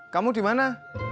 kamu di mana